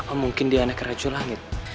apa mungkin dia anak rajulangit